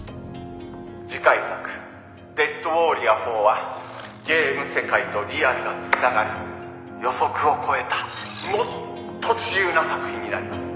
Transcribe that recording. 「次回作『デッドウォーリア４』はゲーム世界とリアルが繋がる予測を超えたもっと自由な作品になります」